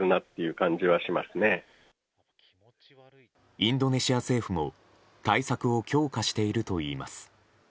インドネシア政府も対策を強化しているといいます。